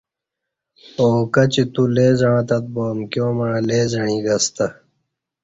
او کچی تو لے زعݩہ تت با امکیا مع لے زعیک ا ستہ